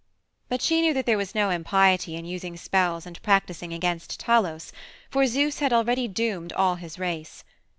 But she knew that there was no impiety in using spells and practicing against Talos, for Zeus had already doomed all his race.